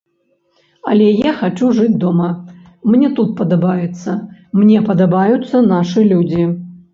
Але я хачу жыць дома, мне тут падабаецца, мне падабаюцца нашы людзі.